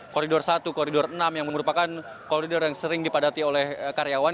koridor satu koridor enam yang merupakan koridor yang sering dipadati oleh karyawan